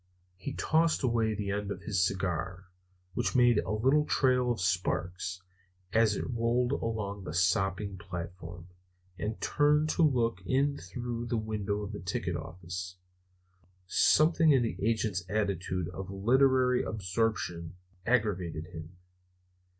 He tossed away the end of his cigar, which made a little trail of sparks as it rolled along the sopping platform, and turned to look in through the window of the ticket office. Something in the agent's attitude of literary absorption aggravated him.